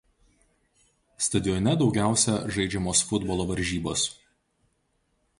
Stadione daugiausia žaidžiamos futbolo varžybos.